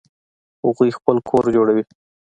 هغوی خپل کور جوړوي